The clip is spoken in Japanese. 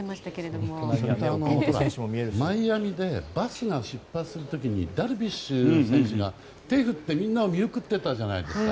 マイアミでバスが出発する時にダルビッシュ選手が手を振って、みんなを見送ってたじゃないですか。